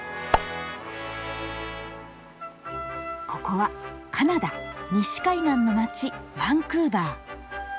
ここはカナダ西海岸の街バンクーバー。